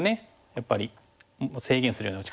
やっぱり制限するような打ち方ですけども。